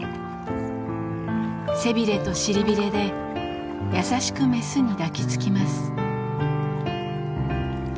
背びれと尻びれで優しくメスに抱きつきます。